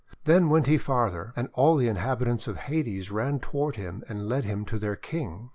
Then went he farther, and all the inhabitants of Hades ran toward him and led him to their King.